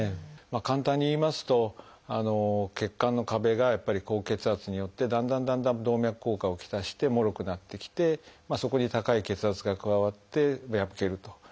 簡単に言いますと血管の壁が高血圧によってだんだんだんだん動脈硬化を来してもろくなってきてそこに高い血圧が加わって破けるということで。